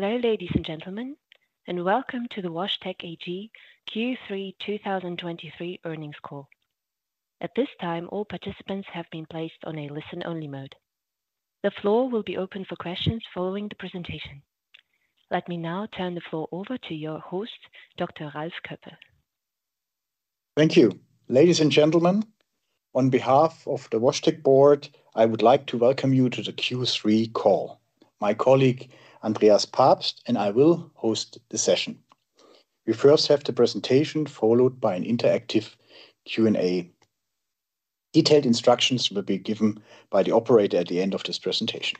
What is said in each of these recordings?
Hello, ladies and gentlemen, and welcome to the WashTec AG Q3 2023 Earnings Call. At this time, all participants have been placed on a listen-only mode. The floor will be open for questions following the presentation. Let me now turn the floor over to your host, Dr. Ralf Koeppe. Thank you. Ladies and gentlemen, on behalf of the WashTec board, I would like to welcome you to the Q3 call. My colleague, Andreas Pabst, and I will host the session. We first have the presentation, followed by an interactive Q&A. Detailed instructions will be given by the operator at the end of this presentation.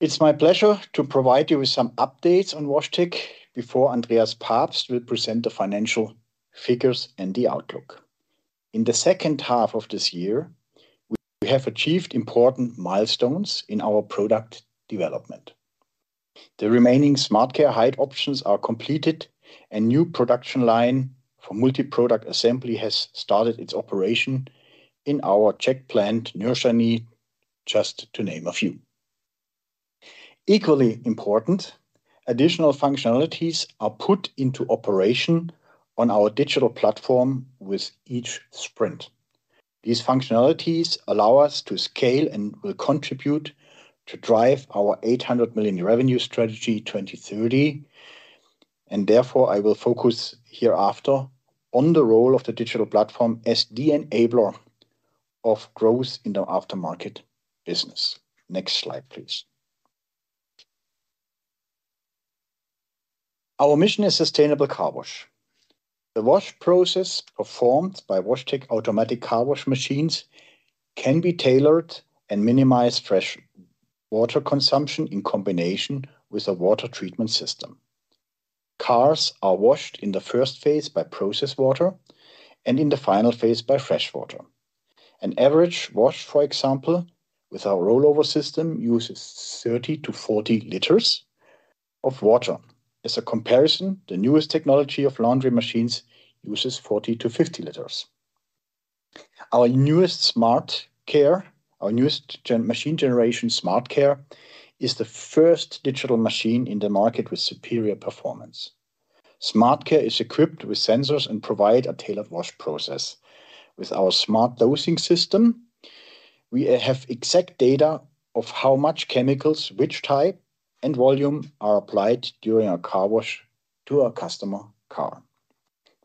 It's my pleasure to provide you with some updates on WashTec before Andreas Pabst will present the financial figures and the outlook. In the second half of this year, we have achieved important milestones in our product development. The remaining SmartCare height options are completed, and new production line for multi-product assembly has started its operation in our Czech plant, Neratovice, just to name a few. Equally important, additional functionalities are put into operation on our digital platform with each sprint. These functionalities allow us to scale and will contribute to drive our 800 million revenue strategy 2030, and therefore, I will focus hereafter on the role of the digital platform as the enabler of growth in the aftermarket business. Next slide, please. Our mission is sustainable car wash. The wash process performed by WashTec automatic car wash machines can be tailored and minimize fresh water consumption in combination with a water treatment system. Cars are washed in the first phase by process water, and in the final phase by fresh water. An average wash, for example, with our rollover system uses 30-40 liters of water. As a comparison, the newest technology of laundry machines uses 40-50 liters. Our newest SmartCare machine generation, SmartCare, is the first digital machine in the market with superior performance. SmartCare is equipped with sensors and provide a tailored wash process. With our smart dosing system, we have exact data of how much chemicals, which type, and volume are applied during a car wash to a customer car.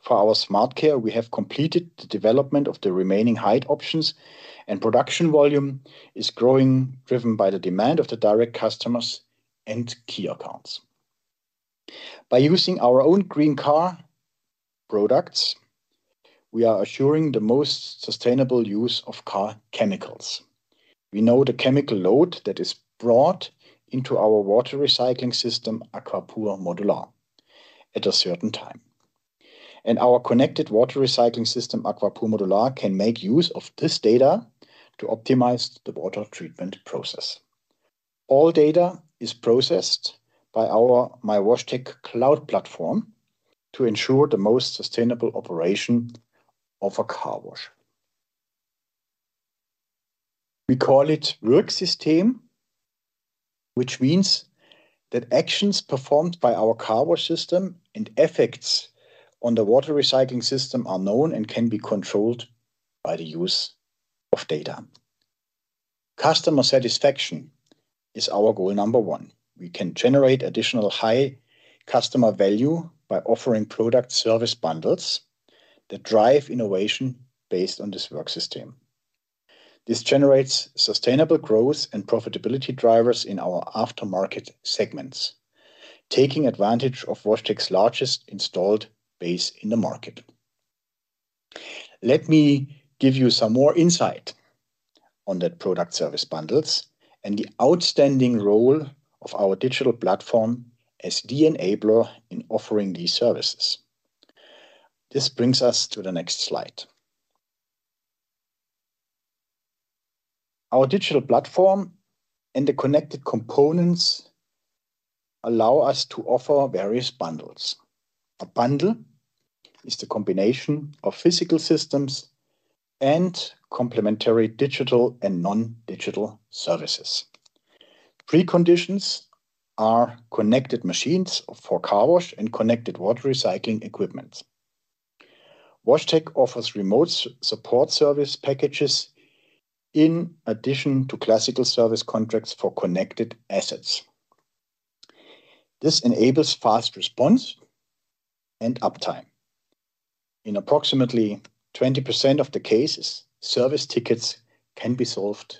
For our SmartCare, we have completed the development of the remaining height options, and production volume is growing, driven by the demand of the direct customers and key accounts. By using our own Green car care products, we are assuring the most sustainable use of car chemicals. We know the chemical load that is brought into our water recycling system, Aqua Pura Modular, at a certain time. Our connected water recycling system, Aqua Pura Modular, can make use of this data to optimize the water treatment process. All data is processed by our mywashtec cloud platform to ensure the most sustainable operation of a car wash. We call it Wirksystem, which means that actions performed by our car wash system and effects on the water recycling system are known and can be controlled by the use of data. Customer satisfaction is our goal number one. We can generate additional high customer value by offering product service bundles that drive innovation based on this Wirksystem. This generates sustainable growth and profitability drivers in our aftermarket segments, taking advantage of WashTec's largest installed base in the market. Let me give you some more insight on that product service bundles and the outstanding role of our digital platform as the enabler in offering these services. This brings us to the next slide. Our digital platform and the connected components allow us to offer various bundles. A bundle is the combination of physical systems and complementary digital and non-digital services. Preconditions are connected machines for car wash and connected water recycling equipment. WashTec offers remote support service packages in addition to classical service contracts for connected assets. This enables fast response and uptime. In approximately 20% of the cases, service tickets can be solved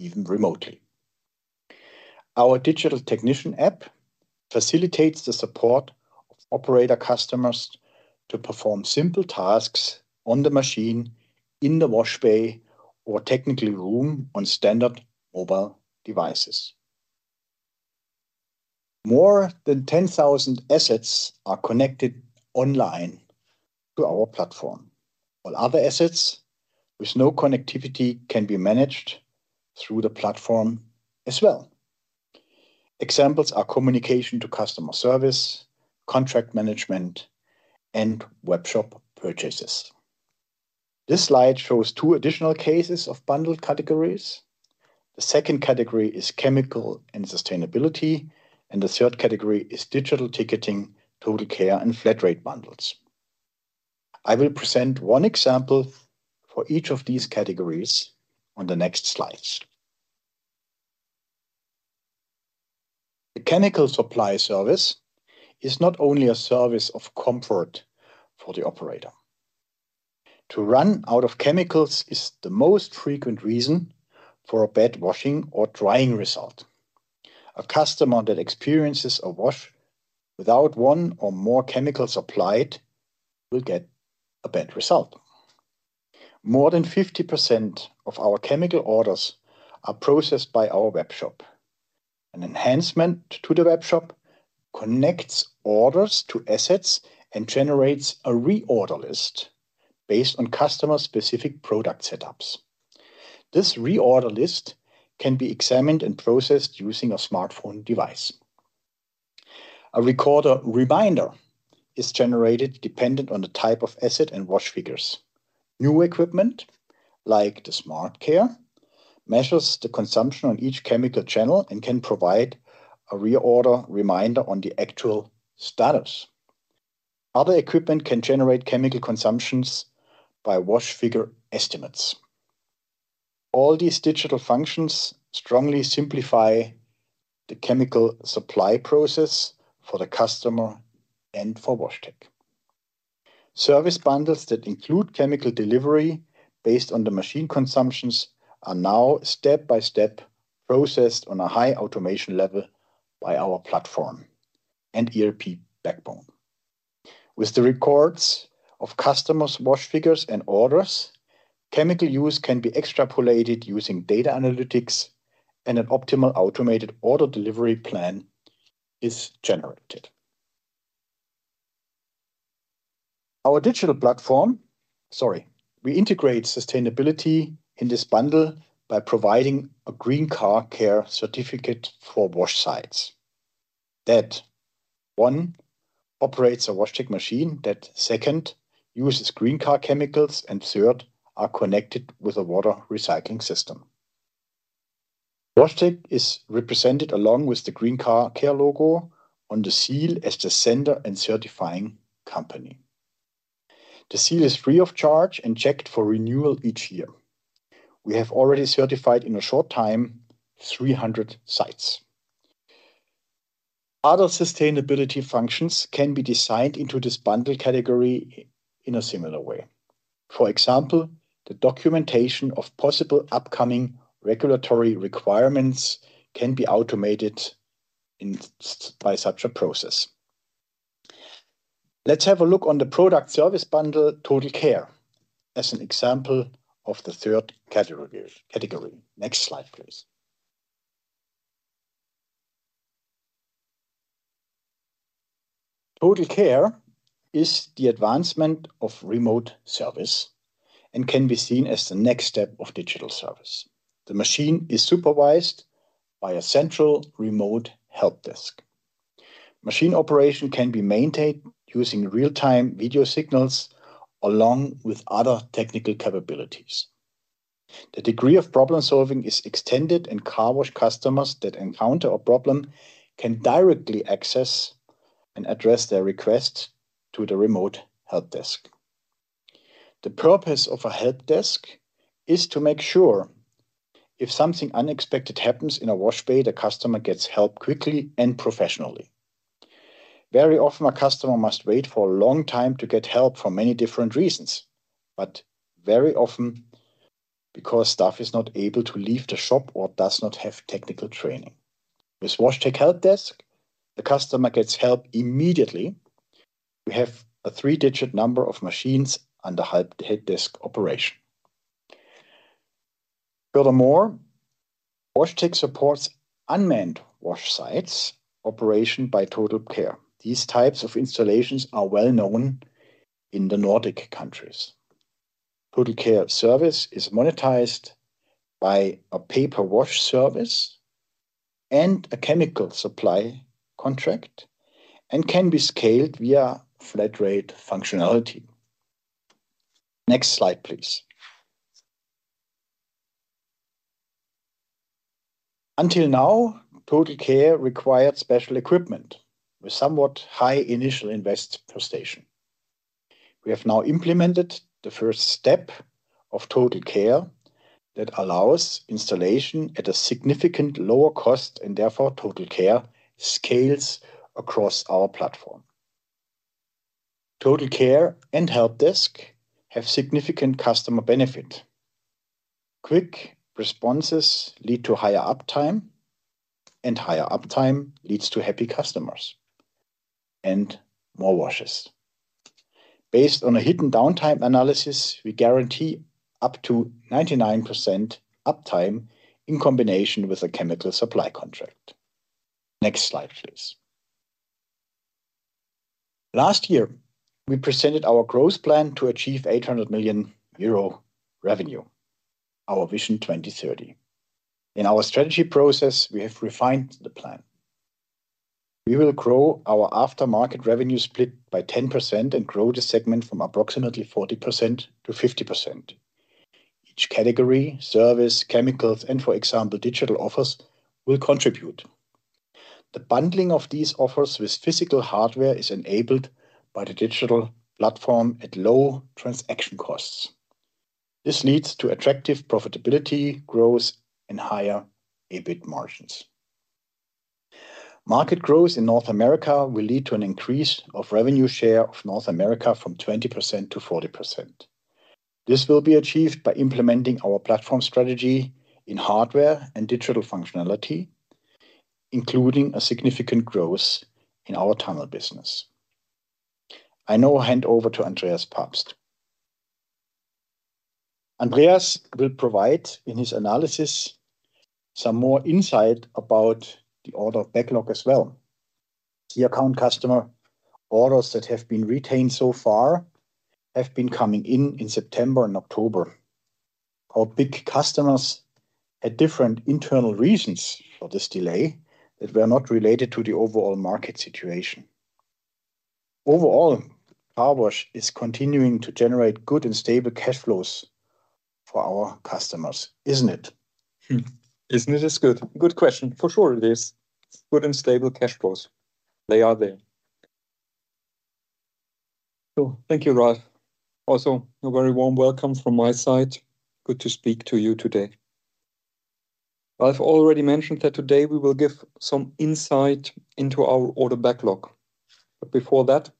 even remotely. Our digital technician app facilitates the support of operator customers to perform simple tasks on the machine, in the wash bay or technical room on standard mobile devices. More than 10,000 assets are connected online to our platform, while other assets with no connectivity can be managed through the platform as well. Examples are communication to customer service, contract management, and webshop purchases. This slide shows two additional cases of bundled categories. The second category is chemical and sustainability, and the third category is digital ticketing, TotalCare, and flat rate bundles. I will present one example for each of these categories on the next slides. The chemical supply service is not only a service of comfort for the operator. To run out of chemicals is the most frequent reason for a bad washing or drying result. A customer that experiences a wash without one or more chemicals applied will get a bad result. More than 50% of our chemical orders are processed by our webshop. An enhancement to the webshop connects orders to assets and generates a reorder list based on customer-specific product setups. This reorder list can be examined and processed using a smartphone device. A reorder reminder is generated dependent on the type of asset and wash figures. New equipment, like the SmartCare, measures the consumption on each chemical channel and can provide a reorder reminder on the actual status. Other equipment can generate chemical consumptions by wash figure estimates. All these digital functions strongly simplify the chemical supply process for the customer and for WashTec. Service bundles that include chemical delivery based on the machine consumptions are now step-by-step processed on a high automation level by our platform and ERP backbone. With the records of customers' wash figures and orders, chemical use can be extrapolated using data analytics, and an optimal automated order delivery plan is generated. Our digital platform—Sorry, we integrate sustainability in this bundle by providing a Green Car Care certificate for wash sites that, one, operates a WashTec machine; that, second, uses Green Car Care chemicals; and, third, are connected with a water recycling system. WashTec is represented along with the Green Car Care logo on the seal as the sender and certifying company. The seal is free of charge and checked for renewal each year. We have already certified, in a short time, 300 sites. Other sustainability functions can be designed into this bundle category in a similar way. For example, the documentation of possible upcoming regulatory requirements can be automated in by such a process. Let's have a look on the product service bundle, Total Care, as an example of the third category. Next slide, please. Total Care is the advancement of remote service and can be seen as the next step of digital service. The machine is supervised by a central remote help desk. Machine operation can be maintained using real-time video signals, along with other technical capabilities. The degree of problem-solving is extended, and car wash customers that encounter a problem can directly access and address their requests to the remote help desk. The purpose of a help desk is to make sure if something unexpected happens in a wash bay, the customer gets help quickly and professionally. Very often, a customer must wait for a long time to get help for many different reasons, but very often because staff is not able to leave the shop or does not have technical training. With WashTec help desk, the customer gets help immediately. We have a three-digit number of machines under help desk operation. Furthermore, WashTec supports unmanned wash sites operation by Total Care. These types of installations are well known in the Nordic countries. Total Care service is monetized by a pay-per-wash service and a chemical supply contract and can be scaled via flat rate functionality. Next slide, please. Until now, Total Care required special equipment with somewhat high initial invest per station. We have now implemented the first step of Total Care that allows installation at a significant lower cost, and therefore, Total Care scales across our platform. Total Care and help desk have significant customer benefit. Quick responses lead to higher uptime, and higher uptime leads to happy customers and more washes. Based on a hidden downtime analysis, we guarantee up to 99% uptime in combination with a chemical supply contract. Next slide, please. Last year, we presented our growth plan to achieve 800 million euro revenue, our vision 2030. In our strategy process, we have refined the plan.... We will grow our aftermarket revenue split by 10% and grow the segment from approximately 40% to 50%. Each category, service, chemicals, and for example, digital offers, will contribute. The bundling of these offers with physical hardware is enabled by the digital platform at low transaction costs. This leads to attractive profitability, growth, and higher EBIT margins. Market growth in North America will lead to an increase of revenue share of North America from 20% to 40%. This will be achieved by implementing our platform strategy in hardware and digital functionality, including a significant growth in our tunnel business. I now hand over to Andreas Pabst. Andreas will provide, in his analysis, some more insight about the order backlog as well. The account customer orders that have been retained so far have been coming in in September and October. Our big customers had different internal reasons for this delay that were not related to the overall market situation. Overall, car wash is continuing to generate good and stable cash flows for our customers, isn't it? Isn't it? It is good. Good question. For sure, it is. Good and stable cash flows. They are there. So thank you, Ralf. Also, a very warm welcome from my side. Good to speak to you today. I've already mentioned that today we will give some insight into our order backlog, but before that,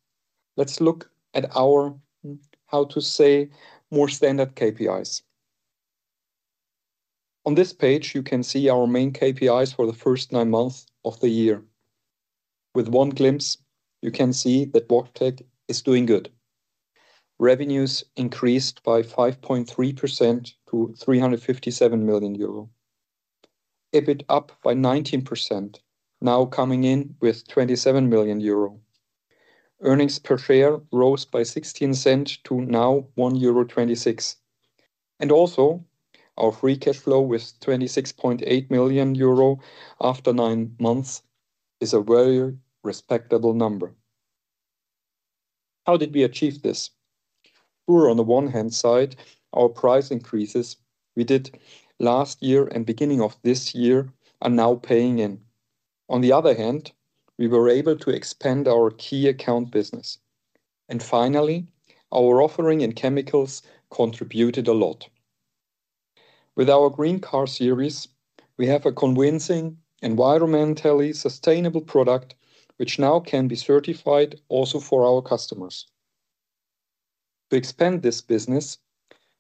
let's look at our, how to say, more standard KPIs. On this page, you can see our main KPIs for the first nine months of the year. With one glimpse, you can see that WashTec is doing good. Revenues increased by 5.3% to 357 million euro. EBIT up by 19%, now coming in with 27 million euro. Earnings per share rose by 16 cents to now 1.26 euro. Also, our free cash flow with 26.8 million euro after nine months is a very respectable number. How did we achieve this? We were, on the one hand side, our price increases we did last year and beginning of this year are now paying in. On the other hand, we were able to expand our key account business. And finally, our offering in chemicals contributed a lot. With our Green Car Series, we have a convincing, environmentally sustainable product, which now can be certified also for our customers. To expand this business,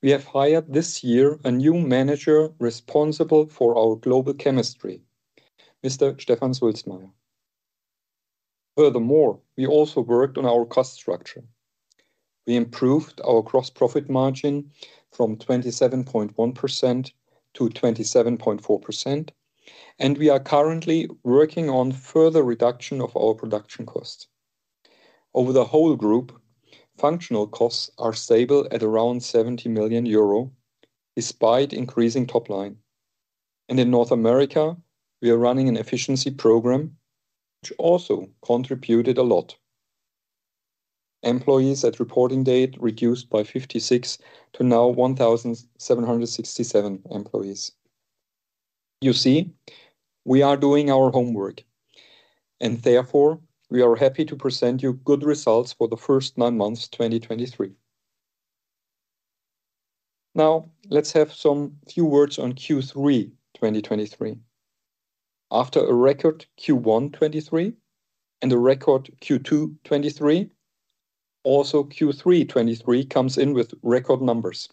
we have hired this year a new manager responsible for our global chemistry, Mr. Stefan Sulzmaier. Furthermore, we also worked on our cost structure. We improved our gross profit margin from 27.1% to 27.4%, and we are currently working on further reduction of our production cost. Over the whole group, functional costs are stable at around 70 million euro, despite increasing top line. And in North America, we are running an efficiency program, which also contributed a lot. Employees at reporting date reduced by 56 to now 1,767 employees. You see, we are doing our homework, and therefore, we are happy to present you good results for the first nine months, 2023. Now, let's have some few words on Q3 2023. After a record Q1 2023 and a record Q2 2023, also Q3 2023 comes in with record numbers.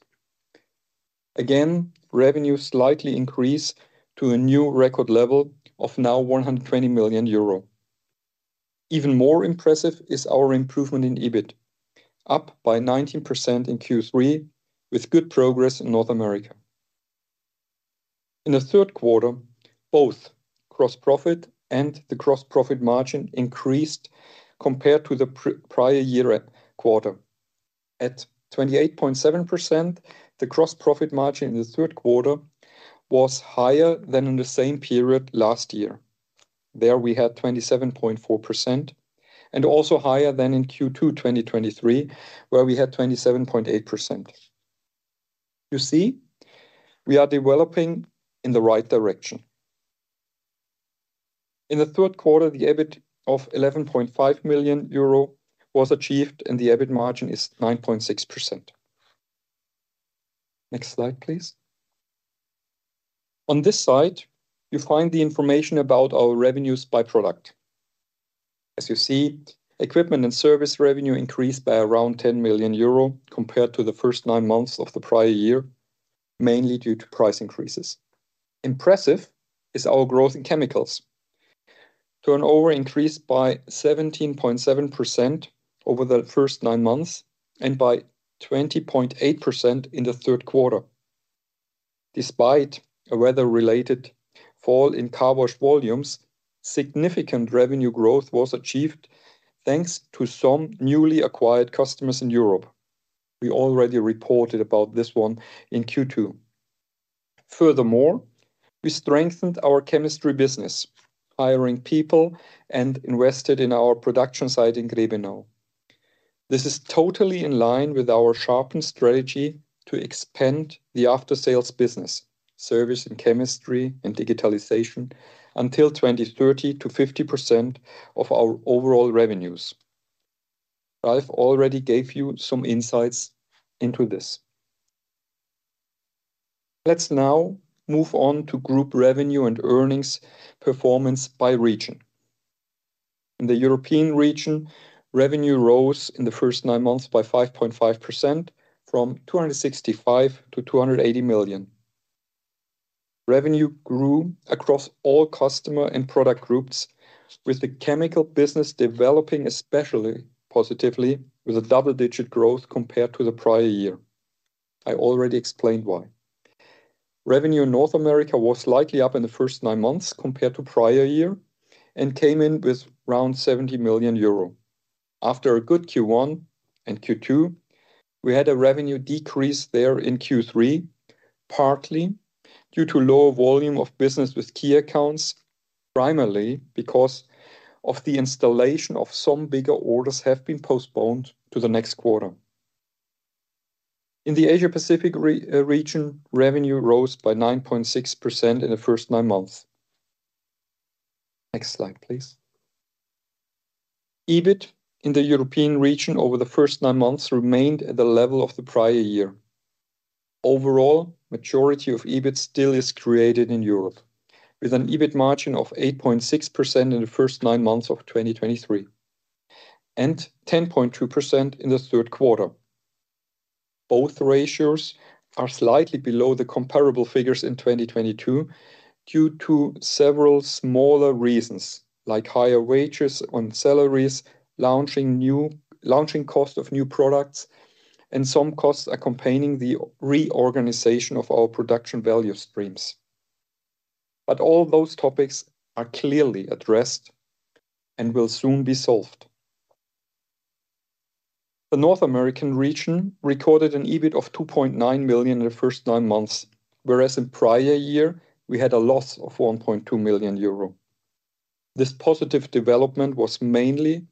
Again, revenue slightly increase to a new record level of now 120 million euro. Even more impressive is our improvement in EBIT, up by 19% in Q3, with good progress in North America. In the third quarter, both gross profit and the gross profit margin increased compared to the prior year quarter. At 28.7%, the gross profit margin in the third quarter was higher than in the same period last year. There, we had 27.4%, and also higher than in Q2 2023, where we had 27.8%. You see, we are developing in the right direction. In the third quarter, the EBIT of 11.5 million euro was achieved, and the EBIT margin is 9.6%. Next slide, please. On this slide, you find the information about our revenues by product. As you see, equipment and service revenue increased by around 10 million euro compared to the first nine months of the prior year, mainly due to price increases. Impressive is our growth in chemicals. Turnover increased by 17.7% over the first nine months, and by 20.8% in the third quarter. Despite a weather-related fall in car wash volumes, significant revenue growth was achieved, thanks to some newly acquired customers in Europe. We already reported about this one in Q2.... Furthermore, we strengthened our chemistry business, hiring people and invested in our production site in Grebenau. This is totally in line with our sharpened strategy to expand the after-sales business, service and chemistry and digitalization, until 2030 to 50% of our overall revenues. Ralf already gave you some insights into this. Let's now move on to group revenue and earnings performance by region. In the European region, revenue rose in the first nine months by 5.5%, from 265 million to 280 million. Revenue grew across all customer and product groups, with the chemical business developing especially positively, with a double-digit growth compared to the prior year. I already explained why. Revenue in North America was slightly up in the first nine months compared to prior year, and came in with around 70 million euro. After a good Q1 and Q2, we had a revenue decrease there in Q3, partly due to lower volume of business with key accounts, primarily because of the installation of some bigger orders have been postponed to the next quarter. In the Asia Pacific region, revenue rose by 9.6% in the first nine months. Next slide, please. EBIT in the European region over the first nine months remained at the level of the prior year. Overall, majority of EBIT still is created in Europe, with an EBIT margin of 8.6% in the first nine months of 2023, and 10.2% in the third quarter. Both ratios are slightly below the comparable figures in 2022 due to several smaller reasons, like higher wages on salaries, launching cost of new products, and some costs accompanying the reorganization of our production value streams. But all those topics are clearly addressed and will soon be solved. The North American region recorded an EBIT of 2.9 million in the first nine months, whereas in prior year, we had a loss of 1.2 million euro. This positive development was mainly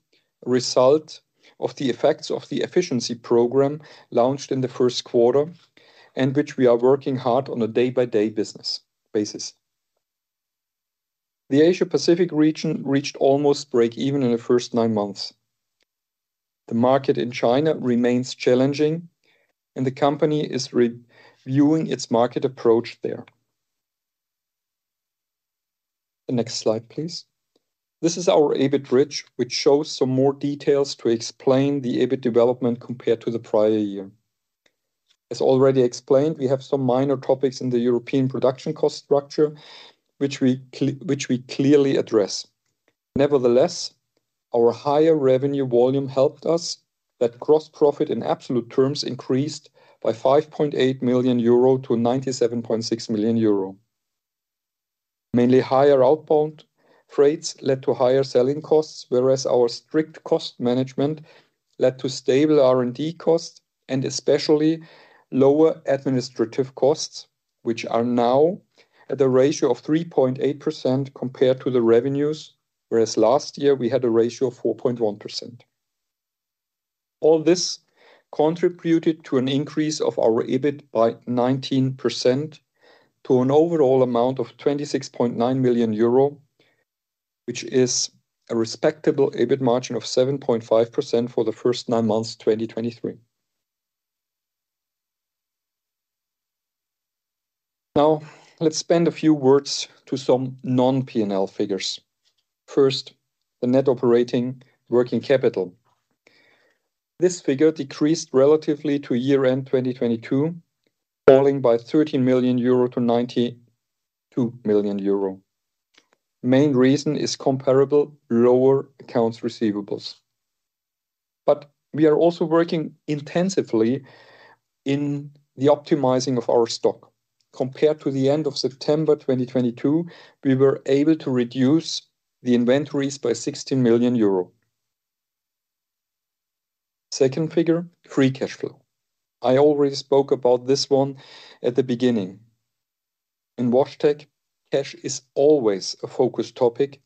a result of the effects of the efficiency program launched in the first quarter, and which we are working hard on a day-by-day business basis. The Asia Pacific region reached almost break-even in the first nine months. The market in China remains challenging, and the company is reviewing its market approach there. The next slide, please. This is our EBIT bridge, which shows some more details to explain the EBIT development compared to the prior year. As already explained, we have some minor topics in the European production cost structure, which we clearly address. Nevertheless, our higher revenue volume helped us, that gross profit in absolute terms increased by 5.8 million euro to 97.6 million euro. Mainly higher outbound freights led to higher selling costs, whereas our strict cost management led to stable R&D costs, and especially lower administrative costs, which are now at a ratio of 3.8% compared to the revenues, whereas last year we had a ratio of 4.1%. All this contributed to an increase of our EBIT by 19% to an overall amount of 26.9 million euro, which is a respectable EBIT margin of 7.5% for the first nine months, 2023. Now, let's spend a few words to some non-P&L figures. First, the net operating working capital. This figure decreased relatively to year-end 2022, falling by 13 million euro to 92 million euro. Main reason is comparable lower accounts receivables. But we are also working intensively in the optimizing of our stock. Compared to the end of September 2022, we were able to reduce the inventories by 16 million euro. Second figure, free cash flow. I already spoke about this one at the beginning. In WashTec, cash is always a focus topic,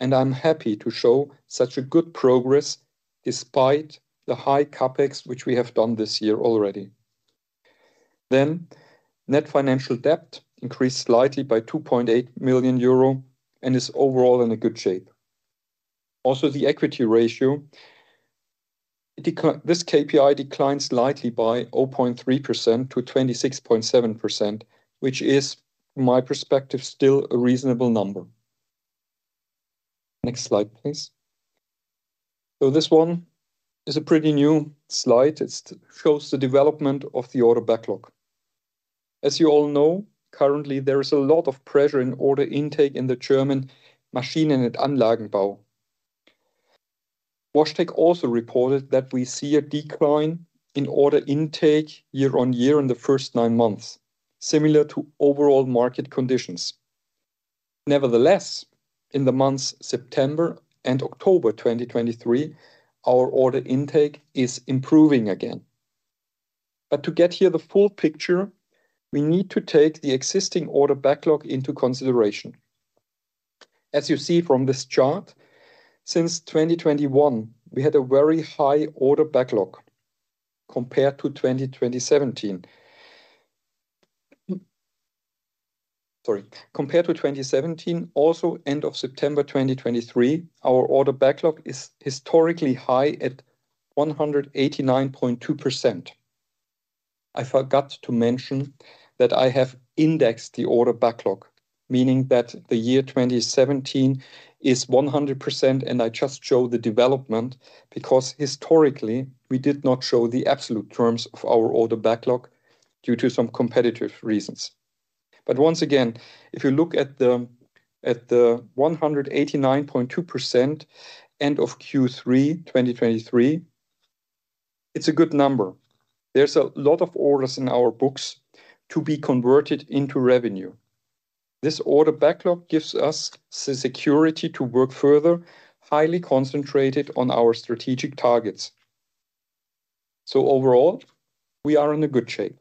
and I'm happy to show such a good progress, despite the high CapEx, which we have done this year already. Then, net financial debt increased slightly by 2.8 million euro, and is overall in a good shape. Also, the equity ratio this KPI declined slightly by 0.3% to 26.7%, which is, from my perspective, still a reasonable number. Next slide, please. So this one is a pretty new slide. It shows the development of the order backlog. As you all know, currently, there is a lot of pressure in order intake in the German Maschinen- und Anlagenbau. WashTec also reported that we see a decline in order intake year-on-year in the first 9 months, similar to overall market conditions.... Nevertheless, in the months September and October 2023, our order intake is improving again. To get the full picture, we need to take the existing order backlog into consideration. As you see from this chart, since 2021, we had a very high order backlog compared to 2017. Sorry. Compared to 2017, also end of September 2023, our order backlog is historically high at 189.2%. I forgot to mention that I have indexed the order backlog, meaning that the year 2017 is 100%, and I just show the development, because historically, we did not show the absolute terms of our order backlog due to some competitive reasons. Once again, if you look at the at the 189.2% end of Q3 2023, it's a good number. There's a lot of orders in our books to be converted into revenue. This order backlog gives us the security to work further, highly concentrated on our strategic targets. So overall, we are in a good shape.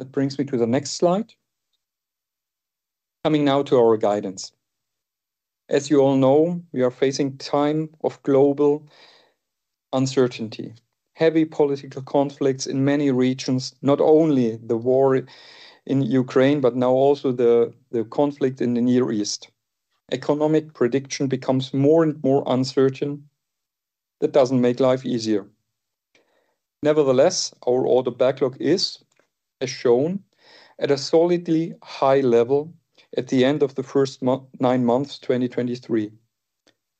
That brings me to the next slide. Coming now to our guidance. As you all know, we are facing time of global uncertainty. Heavy political conflicts in many regions, not only the war in Ukraine, but now also the conflict in the Near East. Economic prediction becomes more and more uncertain. That doesn't make life easier. Nevertheless, our order backlog is, as shown, at a solidly high level at the end of the nine months, 2023.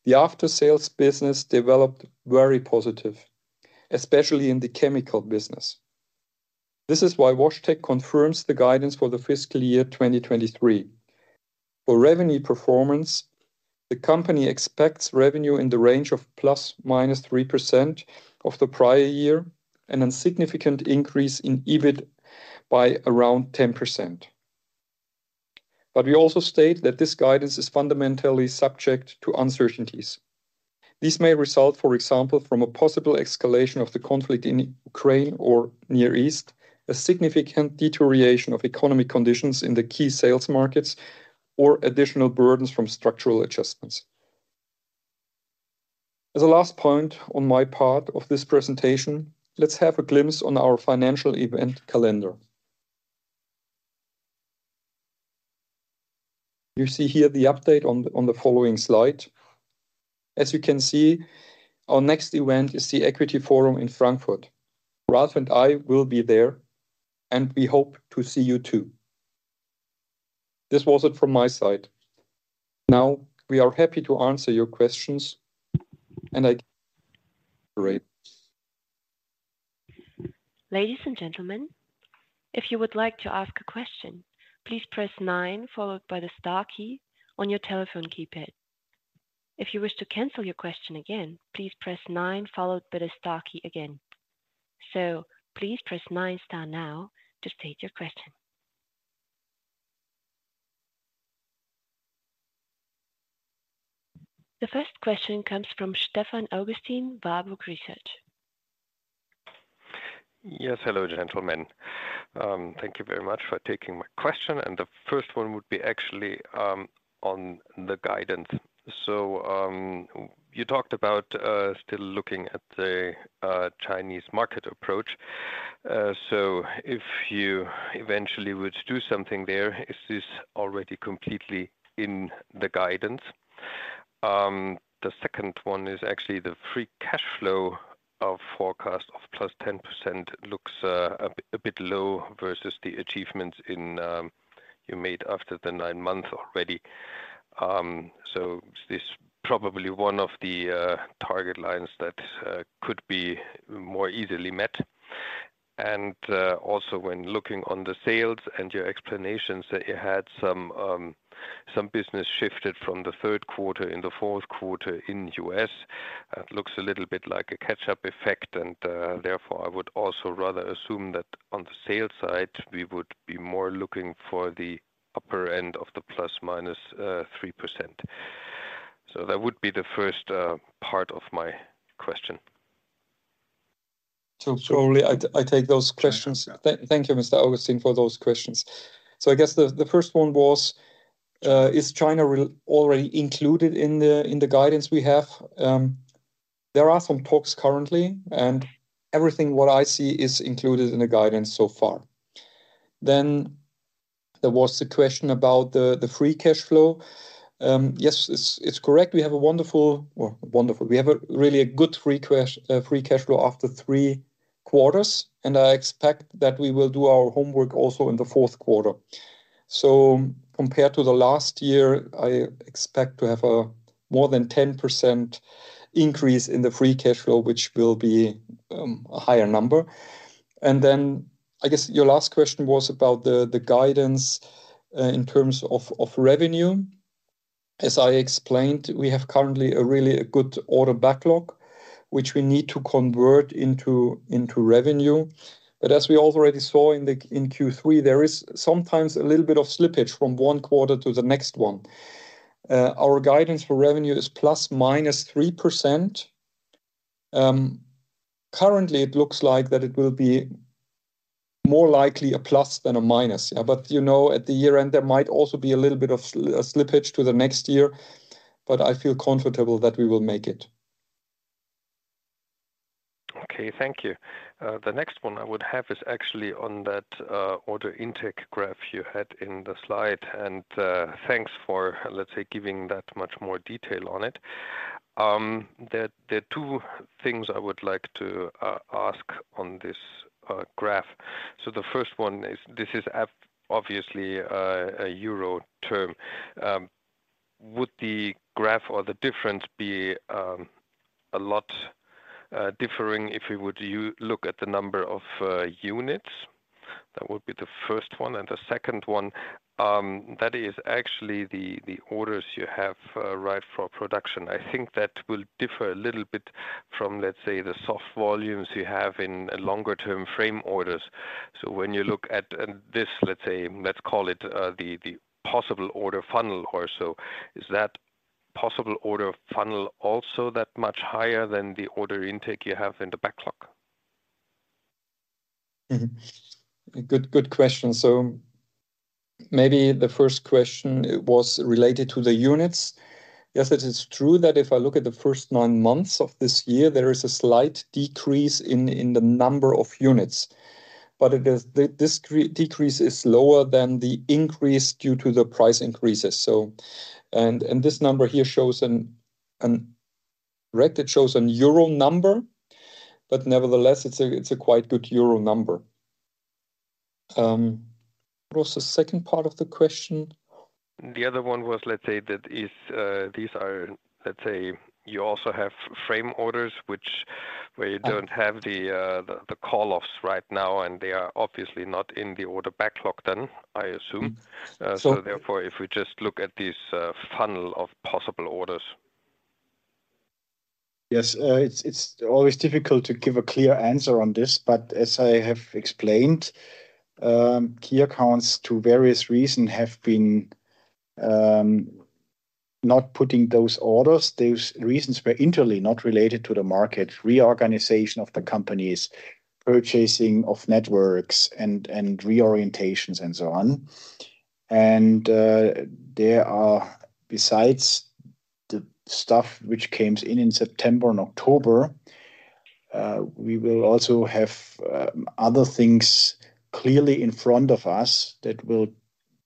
The after sales business developed very positive, especially in the chemical business. This is why WashTec confirms the guidance for the fiscal year 2023. For revenue performance, the company expects revenue in the range of ±3% of the prior year and a significant increase in EBIT by around 10%. But we also state that this guidance is fundamentally subject to uncertainties. This may result, for example, from a possible escalation of the conflict in Ukraine or Near East, a significant deterioration of economic conditions in the key sales markets, or additional burdens from structural adjustments. As a last point on my part of this presentation, let's have a glimpse on our financial event calendar. You see here the update on the following slide. As you can see, our next event is the Equity Forum in Frankfurt. Ralf and I will be there, and we hope to see you, too. This was it from my side. Now we are happy to answer your questions, and I. Great. Ladies and gentlemen, if you would like to ask a question, please press nine followed by the star key on your telephone keypad. If you wish to cancel your question again, please press nine followed by the star key again. So please press nine star now to state your question. The first question comes from Stefan Augustin, Warburg Research. Yes. Hello, gentlemen. Thank you very much for taking my question, and the first one would be actually on the guidance. So, you talked about still looking at the Chinese market approach. So if you eventually would do something there, is this already completely in the guidance? The second one is actually the free cash flow of forecast of plus 10% looks a bit, a bit low versus the achievements in you made after the nine months already. So is this probably one of the target lines that could be more easily met? Also, when looking on the sales and your explanations that you had some business shifted from the third quarter in the fourth quarter in U.S., it looks a little bit like a catch-up effect, and therefore, I would also rather assume that on the sales side, we would be more looking for the upper end of the plus minus 3%. So that would be the first part of my question. So surely I take those questions. Thank you, Mr. Augustin, for those questions. So I guess the first one was, is China already included in the guidance we have? There are some talks currently, and everything what I see is included in the guidance so far. Then there was the question about the free cash flow. Yes, it's correct. We have a wonderful... Well, wonderful, we have a really a good free cash flow after three quarters, and I expect that we will do our homework also in the fourth quarter. So compared to the last year, I expect to have a more than 10% increase in the free cash flow, which will be a higher number. And then I guess your last question was about the guidance in terms of revenue. As I explained, we have currently a really a good order backlog, which we need to convert into revenue. But as we already saw in the in Q3, there is sometimes a little bit of slippage from one quarter to the next one. Our guidance for revenue is ±3%. Currently, it looks like that it will be more likely a plus than a minus. Yeah, but, you know, at the year-end, there might also be a little bit of slippage to the next year, but I feel comfortable that we will make it. Okay, thank you. The next one I would have is actually on that order intake graph you had in the slide, and thanks for, let's say, giving that much more detail on it. There are two things I would like to ask on this graph. So the first one is, this is obviously a Euro term. Would the graph or the difference be a lot differing if we would look at the number of units? That would be the first one, and the second one, that is actually the orders you have right for production. I think that will differ a little bit from, let's say, the soft volumes you have in a longer-term frame orders. So when you look at this, let's say, let's call it the possible order funnel or so, is that possible order funnel also that much higher than the order intake you have in the backlog? Mm-hmm. Good, good question. So maybe the first question, it was related to the units. Yes, it is true that if I look at the first nine months of this year, there is a slight decrease in the number of units, but the decrease is lower than the increase due to the price increases. So, this number here shows an, right, it shows an euro number, but nevertheless, it's a quite good euro number. What was the second part of the question? The other one was, let's say, that if, these are... Let's say, you also have frame orders, which where- Uh .you don't have the call-offs right now, and they are obviously not in the order backlog then, I assume. Mm-hmm. So- Therefore, if we just look at this, funnel of possible orders. Yes, it's always difficult to give a clear answer on this, but as I have explained, key accounts, to various reason, have been not putting those orders. Those reasons were entirely not related to the market: reorganization of the companies, purchasing of networks, and reorientations, and so on. And there are—besides the stuff which comes in in September and October, we will also have other things clearly in front of us that will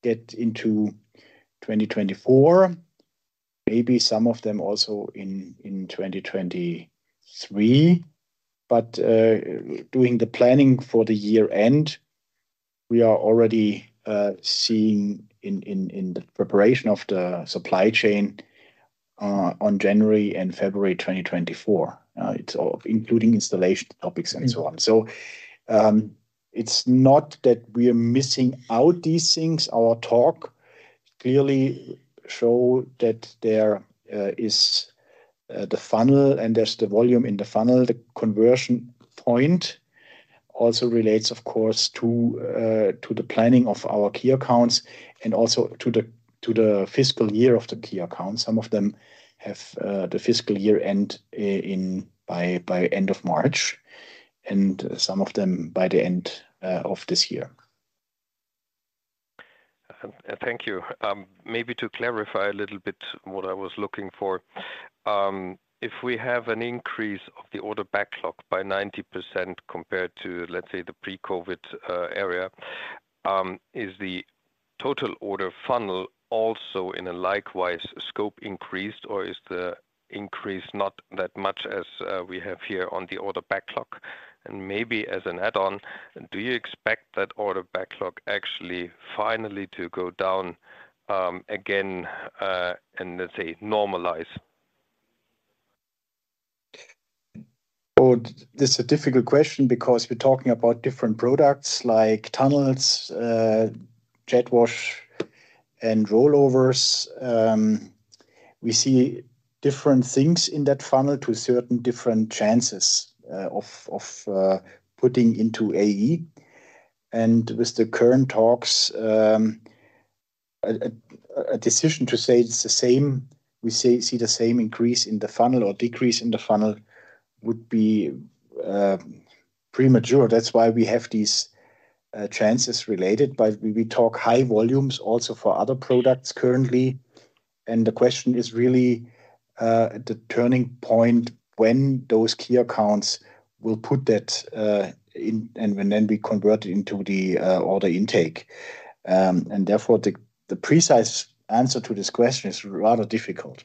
get into 2024, maybe some of them also in 2023. But doing the planning for the year-end, we are already seeing in the preparation of the supply chain, on January and February 2024, it's all including installation topics-... and so on. So, it's not that we are missing out these things. Our talk clearly show that there is the funnel and there's the volume in the funnel. The conversion point also relates, of course, to the planning of our key accounts and also to the fiscal year of the key accounts. Some of them have the fiscal year end in by end of March, and some of them by the end of this year. Thank you. Maybe to clarify a little bit what I was looking for. If we have an increase of the order backlog by 90% compared to, let's say, the pre-COVID area, is the total order funnel also in a likewise scope increased, or is the increase not that much as we have here on the order backlog? And maybe as an add-on, do you expect that order backlog actually finally to go down, again, and, let's say, normalize? Oh, this a difficult question because we're talking about different products like tunnels, JetWash, and rollovers. We see different things in that funnel to certain different chances of putting into AE. And with the current talks, a decision to say it's the same, we say - see the same increase in the funnel or decrease in the funnel, would be premature. That's why we have these chances related. But we talk high volumes also for other products currently, and the question is really the turning point when those key accounts will put that in, and will then be converted into the order intake. And therefore, the precise answer to this question is rather difficult.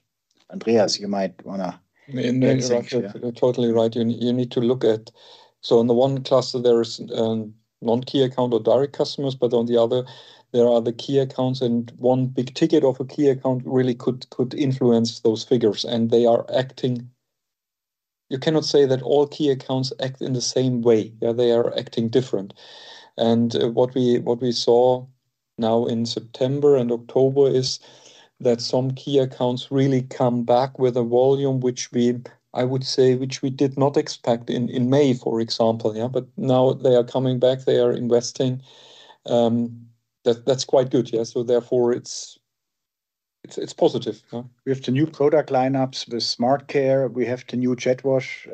Andreas, you might wanna - You're exactly -... Yeah. You're totally right. You need to look at. So on the one cluster, there is non-key account or direct customers, but on the other, there are the key accounts, and one big ticket of a key account really could influence those figures, and they are acting, you cannot say that all key accounts act in the same way. Yeah, they are acting different. And what we saw now in September and October is that some key accounts really come back with a volume which we, I would say, which we did not expect in May, for example, yeah? But now they are coming back, they are investing. That, that's quite good, yeah. So therefore, it's positive. Yeah. We have the new product lineups with SmartCare. We have the new JetWash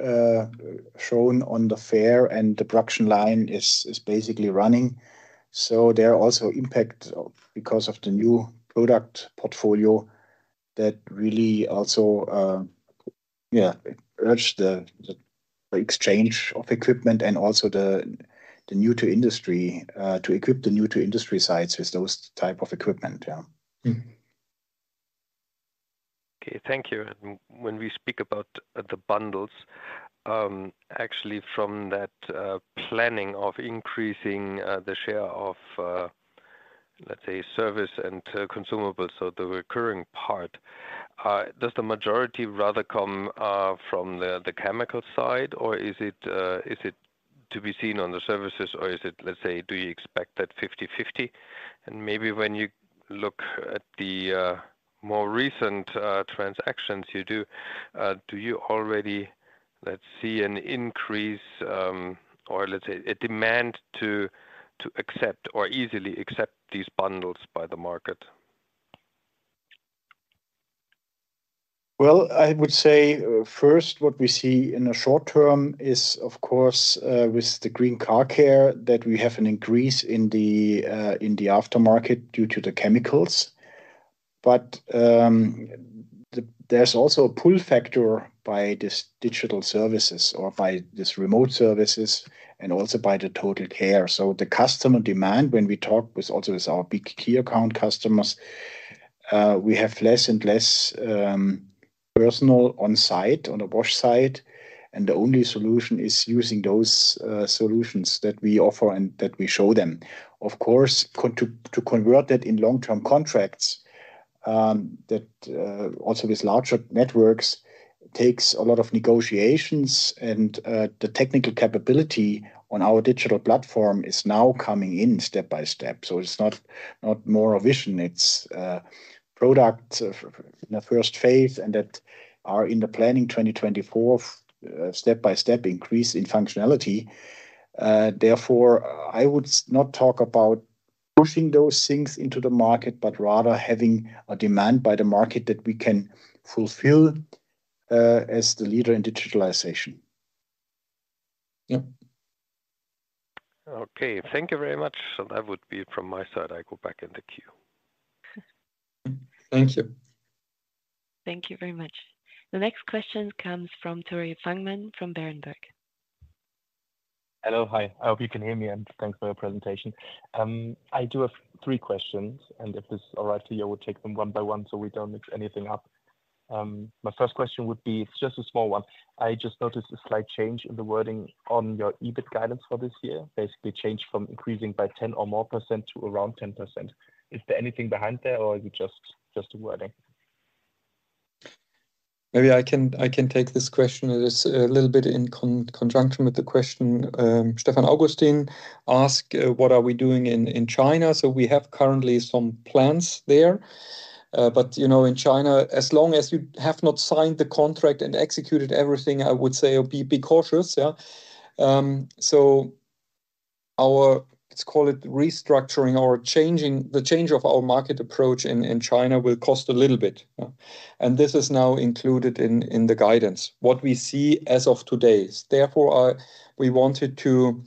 shown on the fair, and the production line is basically running. So there are also impacts because of the new product portfolio that really also urges the exchange of equipment and also the new to industry to equip the new to industry sites with those type of equipment. Yeah. Mm-hmm. Okay, thank you. And when we speak about the bundles, actually, from that planning of increasing the share of, let's say, service and consumables, so the recurring part, does the majority rather come from the chemical side, or is it to be seen on the services, or is it, let's say, do you expect that 50/50? And maybe when you look at the more recent transactions, do you already, let's say, see an increase, or let's say a demand to accept or easily accept these bundles by the market? Well, I would say, first, what we see in the short term is, of course, with the Green Car Care, that we have an increase in the aftermarket due to the chemicals. But, there's also a pull factor by this digital services or by this remote services and also by the Total Care. So the customer demand, when we talk with also with our big key account customers, we have less and less personnel on site, on the wash site, and the only solution is using those solutions that we offer and that we show them. Of course, to convert that in long-term contracts, that also with larger networks, takes a lot of negotiations, and the technical capability on our digital platform is now coming in step by step. It's not not more a vision, it's products of in the first phase and that are in the planning 2024, step-by-step increase in functionality. Therefore, I would not talk about pushing those things into the market, but rather having a demand by the market that we can fulfill, as the leader in digitalization. Yeah. Okay. Thank you very much. So that would be it from my side. I go back in the queue. Thank you. Thank you very much. The next question comes from Tore Fangmann from Berenberg. Hello. Hi, I hope you can hear me, and thanks for your presentation. I do have three questions, and if this is all right to you, I will take them one by one so we don't mix anything up. My first question would be... It's just a small one. I just noticed a slight change in the wording on your EBIT guidance for this year. Basically, changed from increasing by 10% or more to around 10%. Is there anything behind there or is it just a wording? Maybe I can take this question. It is a little bit in conjunction with the question Stefan Augustin asked: What are we doing in China? So we have currently some plans there, but, you know, in China, as long as you have not signed the contract and executed everything, I would say be cautious. Yeah. So our... let's call it restructuring or changing, the change of our market approach in China will cost a little bit, yeah, and this is now included in the guidance. What we see as of today. Therefore, we wanted to,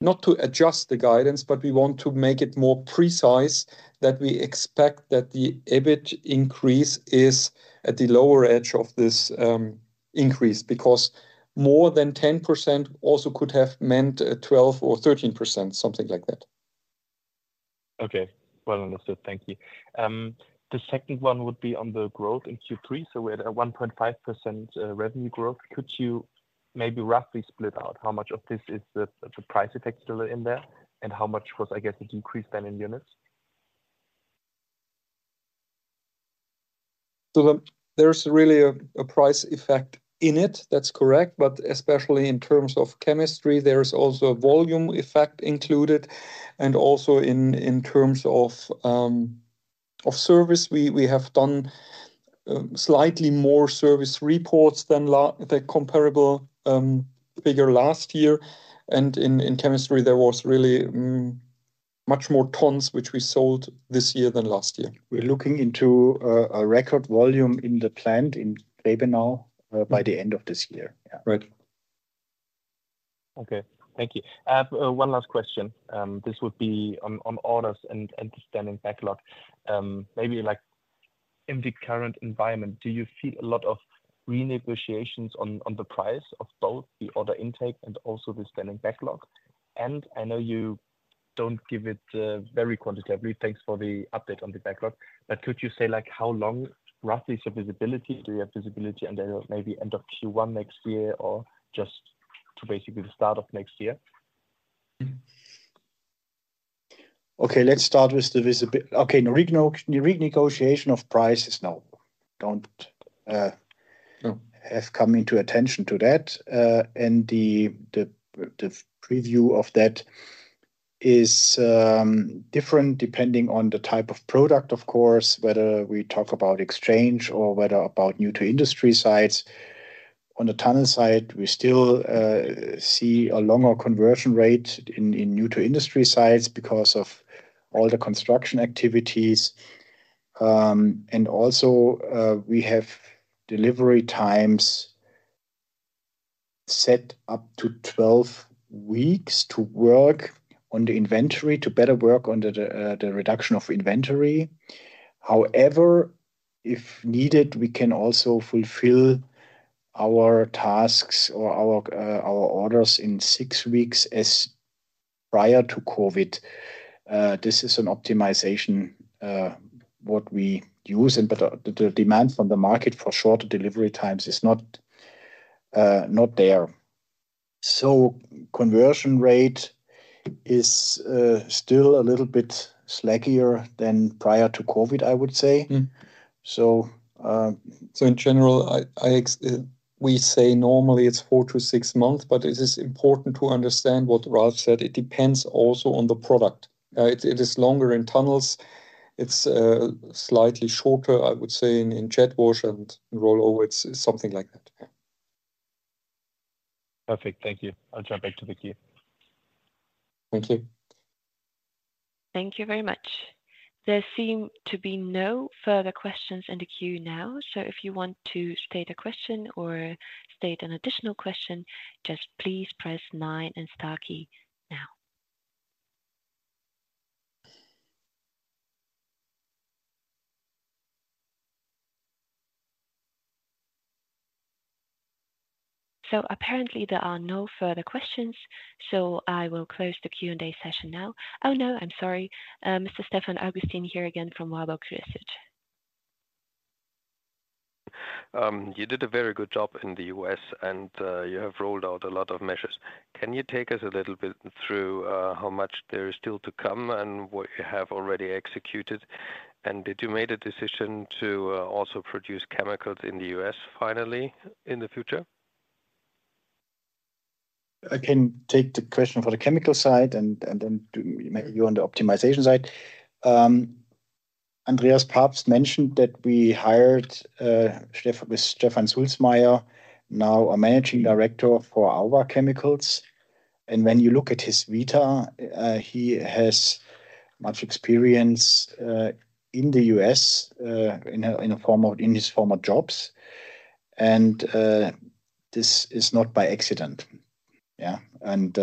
not to adjust the guidance, but we want to make it more precise, that we expect that the EBIT increase is at the lower edge of this increase, because more than 10% also could have meant 12% or 13%, something like that. Okay. Well understood. Thank you. The second one would be on the growth in Q3, so we're at a 1.5% revenue growth. Could you maybe roughly split out how much of this is the, the price effect still in there, and how much was, I guess, the increase then in units? There's really a price effect in it, that's correct. But especially in terms of chemistry, there is also a volume effect included, and also in terms of service, we have done slightly more service reports than the comparable figure last year. And in chemistry, there was really much more tons, which we sold this year than last year. We're looking into a record volume in the plant in Grebenau by the end of this year. Yeah. Right. Okay. Thank you. One last question. This would be on orders and understanding backlog. Maybe like in the current environment, do you see a lot of renegotiations on the price of both the order intake and also the standing backlog? And I know you don't give it very quantitatively. Thanks for the update on the backlog, but could you say, like, how long roughly is your visibility? Do you have visibility until maybe end of Q1 next year, or just to basically the start of next year?... Okay, let's start with the renegotiation of prices, no, don't. No I've come into attention to that. And the preview of that is different depending on the type of product, of course, whether we talk about exchange or whether about new to industry sites. On the tunnel site, we still see a longer conversion rate in new to industry sites because of all the construction activities. And also, we have delivery times set up to 12 weeks to work on the inventory, to better work on the reduction of inventory. However, if needed, we can also fulfill our tasks or our orders in six weeks as prior to COVID. This is an optimization what we use, and but the demand from the market for shorter delivery times is not there. Conversion rate is still a little bit slackier than prior to COVID, I would say. Mm-hmm. So, uh- So in general, we say normally it's 4-6 months, but it is important to understand what Ralf said, it depends also on the product. It is longer in tunnels. It's slightly shorter, I would say, in jet wash and roll over. It's something like that. Perfect. Thank you. I'll jump back to the queue. Thank you. Thank you very much. There seem to be no further questions in the queue now, so if you want to state a question or state an additional question, just please press nine and star key now. So apparently, there are no further questions, so I will close the Q&A session now. Oh, no, I'm sorry. Mr. Stefan Augustin here again from Warburg Research. You did a very good job in the U.S., and you have rolled out a lot of measures. Can you take us a little bit through how much there is still to come and what you have already executed? And did you made a decision to also produce chemicals in the U.S. finally, in the future? I can take the question for the chemical side and then to maybe you on the optimization side. Andreas Pabst mentioned that we hired Stefan Sulzmaier, now a managing director for our chemicals. And when you look at his vita, he has much experience in the US in his former jobs, and this is not by accident. Yeah. And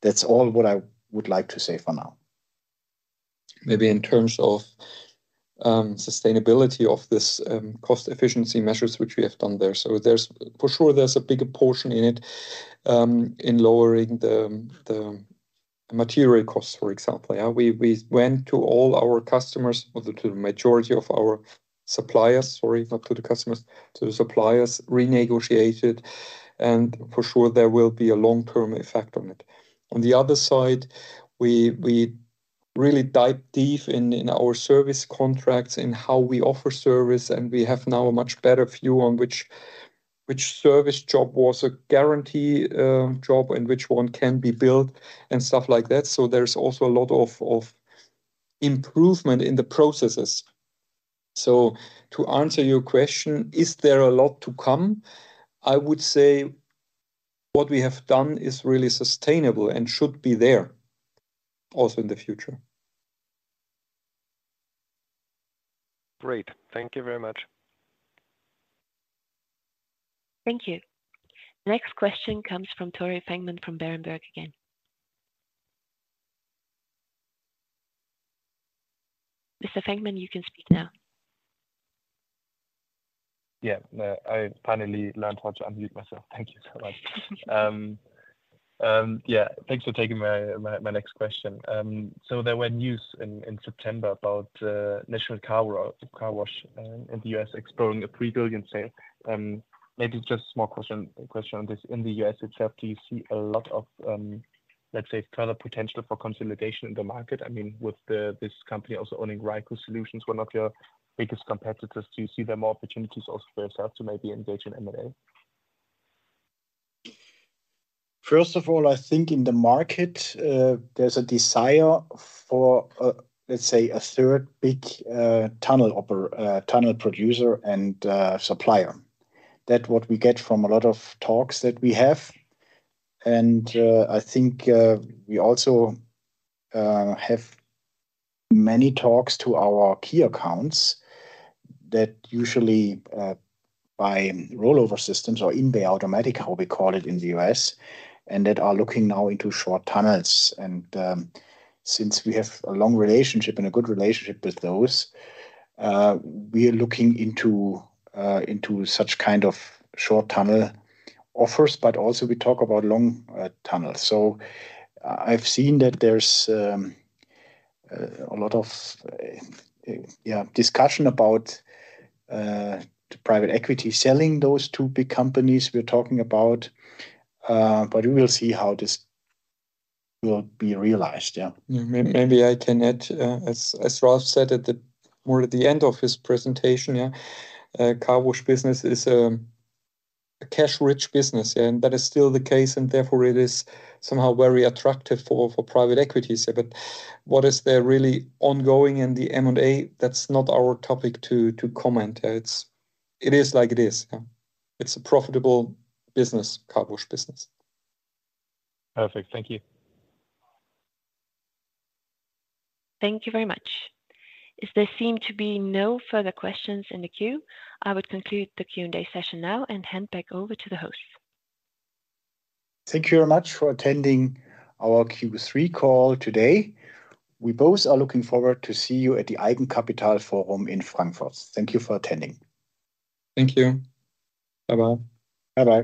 that's all what I would like to say for now. Maybe in terms of sustainability of this cost efficiency measures, which we have done there. So there's... for sure, there's a bigger portion in it, in lowering the material costs, for example. Yeah, we went to all our customers, or to the majority of our suppliers, sorry, not to the customers, to the suppliers, renegotiated, and for sure there will be a long-term effect on it. On the other side, we really dived deep in our service contracts, in how we offer service, and we have now a much better view on which service job was a guarantee job and which one can be billed and stuff like that. So there's also a lot of improvement in the processes. So to answer your question, is there a lot to come? I would say what we have done is really sustainable and should be there also in the future. Great. Thank you very much. Thank you. Next question comes from Tore Fangmann from Berenberg again. Mr. Fangmann, you can speak now. Yeah, I finally learned how to unmute myself. Thank you so much. Yeah, thanks for taking my next question. So there were news in September about National Carwash Solutions in the US exploring a pre-billion sale. Maybe just a small question on this. In the US itself, do you see a lot of, let's say, further potential for consolidation in the market? I mean, with this company also owning Ryko Solutions, one of your biggest competitors, do you see there more opportunities also for yourself to maybe engage in M&A? First of all, I think in the market, there's a desire for, let's say, a third big tunnel producer and supplier. That's what we get from a lot of talks that we have. I think we also have many talks to our key accounts that usually buy rollover systems or in-bay automatic, how we call it in the U.S., and that are looking now into short tunnels. Since we have a long relationship and a good relationship with those, we are looking into into such kind of short tunnel offers, but also we talk about long tunnels. So I've seen that there's a lot of discussion about the private equity selling those two big companies we're talking about, but we will see how this will be realized. Yeah. Yeah, maybe I can add, as Ralf said, more at the end of his presentation, yeah, car wash business is a cash-rich business, and that is still the case, and therefore it is somehow very attractive for private equity. So but what is there really ongoing in the M&A, that's not our topic to comment. It is like it is. Yeah. It's a profitable business, car wash business. Perfect. Thank you. Thank you very much. As there seem to be no further questions in the queue, I would conclude the Q&A session now and hand back over to the host. Thank you very much for attending our Q3 call today. We both are looking forward to see you at the Eigenkapitalforum in Frankfurt. Thank you for attending. Thank you. Bye-bye. Bye-bye.